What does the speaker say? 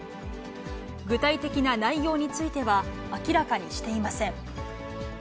具体的な内容については明らかにしていません。